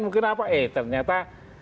mungkin apa eh ternyata